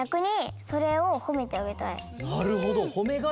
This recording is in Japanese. なるほど！